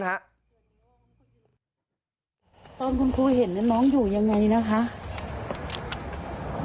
ตอนคุณครูเห็นน้องอยู่ยังไงนะคะ